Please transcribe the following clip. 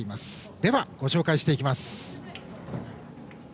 では、ご紹介していきます。